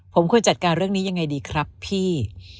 ผมควรจัดการเรื่องนี้ยังไงดีครับพี่